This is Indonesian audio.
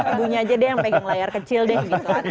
ibunya aja deh yang pegang layar kecil deh gitu